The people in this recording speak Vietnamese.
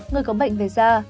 người có bệnh về da